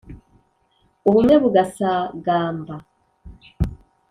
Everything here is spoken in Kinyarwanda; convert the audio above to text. ubumwe bugasagamba.